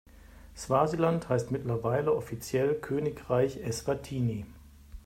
Swasiland heißt mittlerweile offiziell Königreich Eswatini.